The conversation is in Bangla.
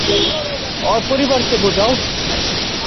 ওর পরিবারকে বুঝিও।